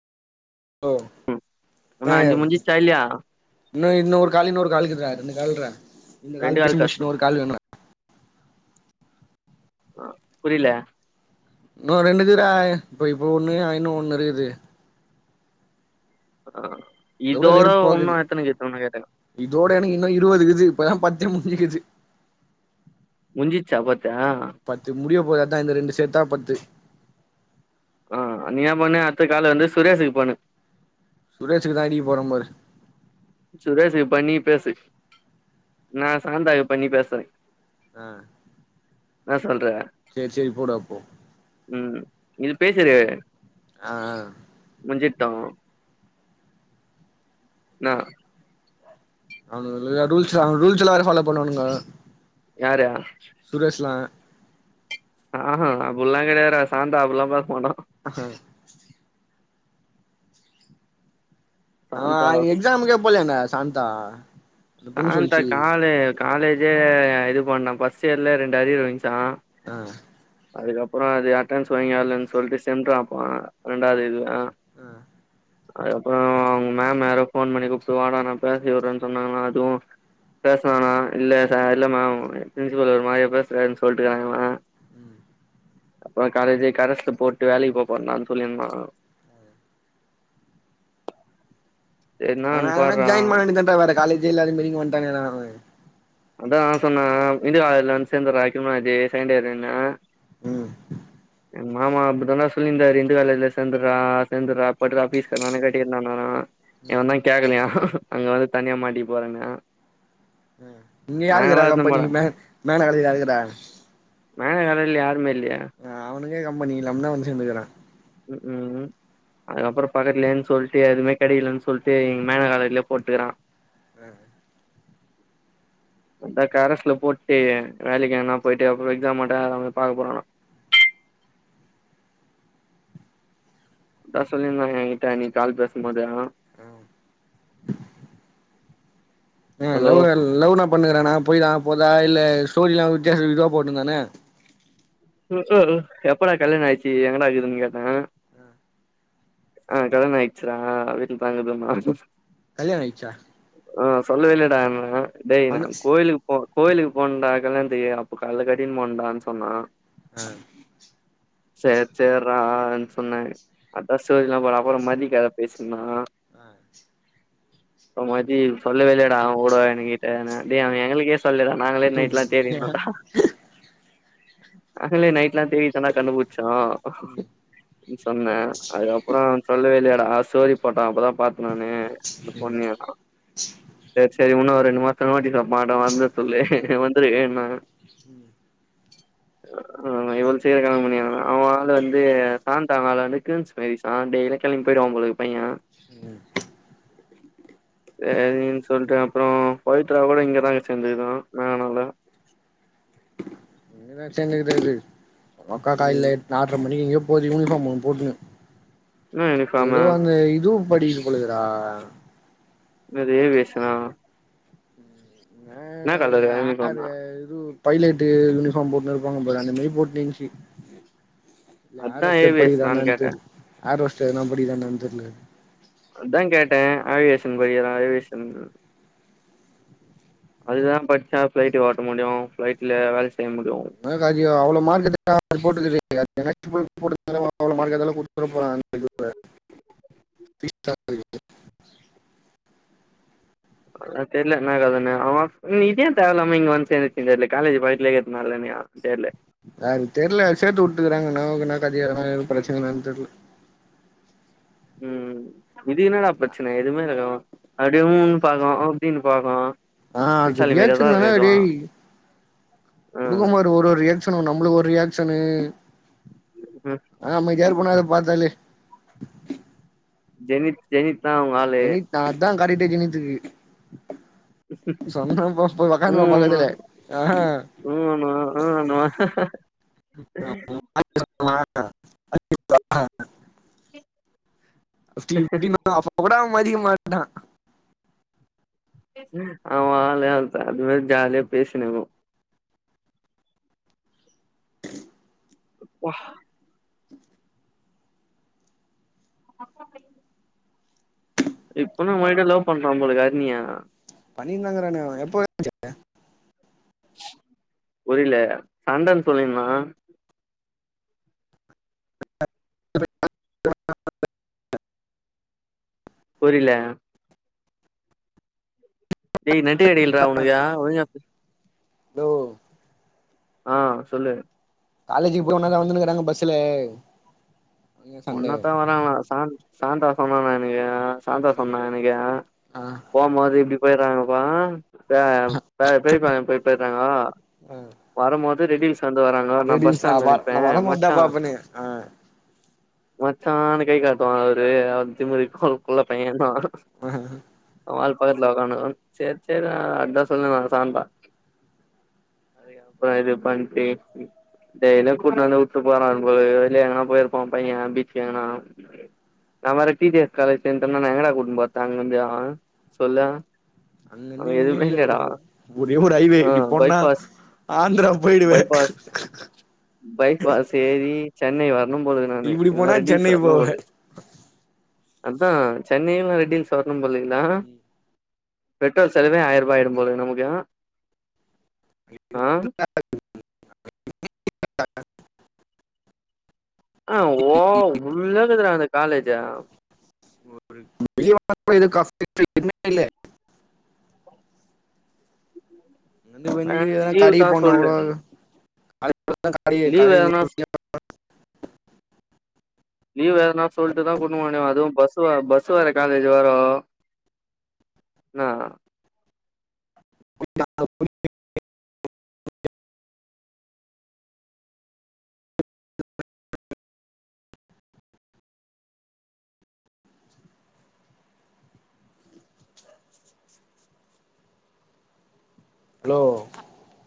ஓ உன்னு யா அஞ்சு யாம் முஞ்சிச்சா இல்லையா இன்னு இன்னொரு காலு இன்னோரு காலுக்கிதுடா ரெண்டு கல்றா இந்த ரெண்டு கால் பேசி முடிச்சு பேசணு இன்னு ஒரு கால் வேணு ஆ புரில இன்னு ரெண்டு கிதுரா இப்ப இப்போ ஒண்ணு அ இன்னு ஒண்ணு இருக்குது ஆ அதோட இதோட வெறுப்பாக்குது உண்ணு எத்தக்குது உனுக்கு கேட்டே நா இதோட எனக்கு இன்னு இருவதுக்கிது இப்பதா பத்தே மூஞ்சிக்கிது முஞ்சிச்சாப் பத்து பத்து முடிய போது அத்தா இந்த ரெண்டு சேத்தா பத்து ஆ நீ இன்னா பண்ணு அடுத்த காலு வந்து சுரேசுக்கு பண்ணு சுரேசுக்குதா அடிக்க போறே பாரு சுரேசுக்கு பண்ணி பேசு நா சாந்தாக்கு பண்ணி பேசுறே ஆ என்னா சொல்ற சேர் சேரி போடாப்போ ம் இது பேசிரு ஆ முஞ்சிட்டு என்னா அவுனுங்கல்ல ரூல்ஸூடா ரூல்ஸலா வேற ஃபாலோ பண்ணுவானுங்கோ யாரு சுரேஸ்லா ஆஹான் அப்புல்லா கெடையாதுடா சாந்தா அப்புல்லா பேச மாட்டா ஆ சாந்தா அவே எக்ஸாமுக்கே போலயான்ட்டா சாந்தா அந்த பொண்ணு சாந்தா சொல்லிச்சு காலே காலேஜே இது பண்ணா பஃர்ஸ்ட் இயர்லய ரெண்டு அரியர் விழுந்துச்சா அ அதுக்கப்புறோ அது அட்டன்ஸ் வாங்கியாலன்னு சொல்லிட்டு சென்ட்ராப்பா ரெண்டாவது இதுவா அ அது அப்பறோ அவுங்க மேம் வேற ஃபோன் பண்ணி கூப்ட்டு வாடா நா பேசி விடுறேனு சொன்னாங்கன்னா அதுவு பேசுலாண்ணா இல்ல ச இல்ல மேம் பிரின்சிபல் ஒரு மாரியா பேசுறாருன்னு சொல்லிட்டு இருக்காங்களா ம் அப்பற காலேஜே கரஸ்ல போட்டு வேலைக்கு போப்போரன்டான் சொல்லிர்ந்தா அவ என்னான்னு வேர எங்கனா பார்றா ஜாயின் பண்ண வேன்டிதாண்டா வேற காலேஜ்யே இல்லாத மேரி இங்க வன்ட்டாண்டா அவே அதா நா சொன்னே இந்த காலேஜ்ல வந்து சேந்துர்டா ஹீமலாஜி செகண்ட் இயர்ன்னே ம் எங்க மாமா அப்டிதாண்டா சொல்லிந்தாரு இந்து காலேஜ்ல சேந்துரா சேந்துரா பட்ரா ஃபீஸ்கட் நானே கட்டிக்றே நானா ம் இவன் தா கேக்கலையா அங்க வந்து தனியா மாட்டிக்க போறேனு இங்க யாருக்கறா எத்துனு கம்பெனி போல மே மேனலயாருக்கிறா மேனகர்ல யாருமே இல்லையே ஆ அவனுக்கே கம்பனி இல்லாம தா வந்து சேந்துக்ரா ம் ம் அதுக்கப்பற பக்கத்துலன்னு சொல்ட்டு எதுவுமே கெடைலன்னு சொல்ட்டு எங்க மேன காலேஜ்லயே போட்டுக்கறா ஆ அதா கரஸ்ல போட்டு வேலைக்கு எங்கனா போயிட்டு அப்பற எக்ஸாம் அட்டன் அத பாக்க போறானா த சொல்லிர்ந்தாங்க என்கிட்ட அன்னைக்கி கால் பேசம்போது ஆ ஆ ஹலோ லவ் லவ்னா பண்ணுகிறானா போய தா போதா இல்ல ஸ்டோரில்லா வித்தியாச இதுவா போட்டுருந்தானே எப்படா கல்யாண ஆயிச்சு எங்கடா இருக்குறன்னு கேட்டே ஆ கல்யான ஆய்ச்சுரா வீட்டுக்கு [inaudible] கல்யாண ஆய்ச்சா ஆ சொல்லவே இல்லயேடான்னே டேய் நா அந்த கோயிலுக் கோயிலுக்கு போணண்டா கல்யாணத்துக்கு அப்ப கால்ல கட்டின்னு போணண்டான்னு சொன்னா ஆ சேர் சேர்ரான்னு சொன்னே அதா ஸ்டோரிலா போற அப்பற மதிக்கத பேசுனா ஆ அப்ப மதி சொல்லவே இல்லையேடா அவன் கூட என்கிட்டனே டேய் அவ எங்களுக்கே சொல்லதா நாங்களே நைட்லா தேடினுடோன்டா நாங்களே நைட்ல்லா தேடித்தன்னா கண்டுபுடிச்சோ சொன்னே அதுக்கப்பற சொல்லவே இல்லையேடா ஸ்டோரி போட்டா அப்பதா பாத்த நானு அந்த பொண்ணு சேரி சேரி இன்னு ஒரு ரெண்டு மாச வாட்டி சா மாட வந்து சொல்லு வந்துரு வேணா உம் ஆ [inaudible] அவன் ஆளு வந்து சாந்தால வந்து கிரிஞ் [inaudible] கெளம்பி போய்டுவா போலக்கு பைய ம் சேரின்னு சொல்ட்டு அப்பற பவித்ரா கூட இங்கதா சேந்துருக்குதா மேனால [inaudible] சேந்தது கெடையாது உங்கக்கா காலைல ம் நால்ட்ர மணிக்கு எங்கேயோ போகுது யூனிஃபார்ம் ஒன்னு போட்டுனு என்ன அது யூனிஃபார்மு எதோ அந்த இதுவு படிக்குது போல இருக்குடா அதே பேசுனா என்ன கலர் யூனிஃபார்மு எது பைலட்டு யூனிஃபார்ம் போட்டுனு இருப்பாங்க பாரு அந்த மாரி போட்டு இருந்துச்சி அதா ஏர்ஹாஸ்டக்கு படிக்குதா ஏவியேஷனான்னு என்னனு கேட்டே தெர்ல ஏர்ஹாஸ்டர்க்கு படிக்குதா என்னனு தெர்ல அதான் கேட்ட அவிகேஷன் படிக்கிறா அவிகேஷன் அதுதா படிச்ச ஃபிளைட் ஓட்ட முடியு ஃபிளைட்ல வேல செய்ய முடியு உனக்காச்சியு அவ்ளோ மார்க் எடுத்த அத போட்டது வேஸ்ட்டு [unintelligible] எவ்ளோ மார்கெடுத்தாலு கொடுத்துற போறாங் இதுவ [unintelligible] அதுலா தெர்ல என்னா கதனு ஆமா இது ஏ தேவ இல்லாம இங்க வந்து சேந்துச்சுனு தெர்ல கலேஜ் பக்கத்லே இருக்கனாலனயா தெர்ல அதுக் தெர்ல சேத்து வுட்டு இருக்கறாங்க என்னவோ என்ன கதையோ எதனா எது பிரச்சனைய தெர்ல ம் இது என்னடா பிரச்சனை ஏதுமே இருக்கு அப்டே உம்ன்னு பாக்கு ஆ அப்டின்னு பாக்கு ஆ அது விசாலு மாரியேதா ரியாக்ஷன் தான இருக்கு இதுவு டேய் குடுக்கும் பாரு ஒரு ஒரு ரியா க்ஷன் நம்பளுக்கு ஒரு ரியாக்ஷனு ம் அமைதியா இருக்கு டா அத பாத்தாலே ஜெனித் ஜெனித் தா‌ அவ ஜெனித் தா அதா கரெக்ட்டே ஜெனித்துக்கு சொன்ன போ போ உக்காந்துக்குவா பக்கத்துலே ஆ உம்முன்னுவா ஆன்னுவா [unintelligible] ஃபர்ஸ்ட்டு இப்டினா அப்ப கூட அவ மதிக்க மாட்டா அவன் ஆளு அ அது மாரி ஜாலியா பேசின்னு இருக்கு [unintelligible] [unintelligible] இப்பென்னா ஒரேடியா லவ் பண்றா போல ஹரிணிய பண்ணினு தா இருக்கறானே அவ எப்போ வன்சு புரில சண்டன்னு சொல்லி இருந்தா புரில டேய் நெட்டு கிடைக்கலடா உனக்கு ஒழுங்கா பேசு தோ ஆ சொல்லு காலேஜ்க்கு போற ஒன்னா தா வந்துன்னுக்கிறாங்க பஸ்ஸுல ஒன்னதா வராங்களா சா சான்றா சொன்னான எனக்கு சான்றா சொன்னா எனக்கு ஆ போம்போது இப்படி போயிறாங்கப்பா த பெரியப்பாலோ போய் போய்றாங்கோ ஆ வரும்போது ரெடில்ஸ் நடந்து வராங்கோ நா பஸ் ரீல்ஸா ஸ்டாண்ட்ல வ நிப்பே நா வரமாட்டா மச்சா பாப்பனே ஆ மச்சான்னு கை காட்டுவான் அவரு அவரு திமுரு கு குள்ள பையன் தா [inaudible] அவன் ஆளு பக்கத்துல உக்காந்து இருக்கு சேரி சேரி அதா சொல்லுவாங்க சான்றா அதுகப்மா இதுப்பன்ட்டு பே டேய்லியு கூட்னு வந்து உட்டு போறா போலருக்கு வெளிய எங்கனா போயிருப்பா பையன் பீச்சி எங்கனா நா வேற டீ கே எஸ் காலேஜ் சேந்துட்டனா நா எங்கடா கூட்டுன்னு போறாது அங்க இருந்து அவ சொல்லு அங்க அங்கிருந்து எங்கேயு எதுவுமே இல்ல இல்லடா ஒரே ஒரு ஹைவே ஆ இப்டிப்போன்னா பைபாஸ் அந்திரா போயிடுவ பைப் பாஸ் ஏரி சென்னை வரணும் போல நான்னு இப்டி இல்ல போனா ரெட்டில்ஸ் சென்னை வரணும் போவே போலருக்கு அதா சென்னை இல்லனா ரெட்டில்ஸ் வரணும் போல இருக்குல்ல பெட்ரோல் செலவே ஆயரூபா ஆயிடும் போல நமக்கு ஆ [unintelligible] ஆ ஓ உள்ளகிதிர அந்த காலேஜா [unintelligible] அது நம்ம வந்து எதனா லீவ் கடைக்கு தா போன சொல்லு கூட [inaudible] கடையே லீவ் எதனா [inaudible] லீவு வேணா சொல்ட்டு தா கூட்னு போனே அதுவும் பஸ் வ பஸ்ஸு வர காலேஜு வரும் நா நா எப்படி ஹலோ